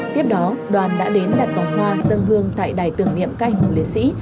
tiếp đó đoàn đã đến đặt vòng hoa dân hương tại đài tưởng niệm các anh hùng liệt sĩ